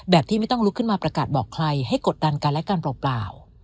ที่ไม่ต้องลุกขึ้นมาประกาศบอกใครให้กดดันกันและกันเปล่า